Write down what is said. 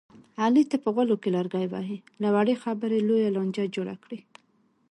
علي تل په غولو کې لرګي وهي، له وړې خبرې لویه لانجه جوړه کړي.